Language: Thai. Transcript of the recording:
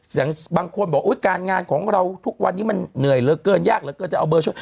บางคนบอกการงานของเราทุกวันนี้มันเหนื่อยเหลือเกินยากเหลือเกินจะเอาเบอร์ช่วย